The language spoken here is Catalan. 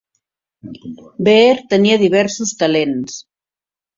Beer tenia diversos talents.